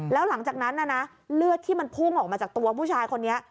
แล้วหลังจากนั้นเลือดที่มันพุ่งออกมาจากตัวผู้ชายคนนี้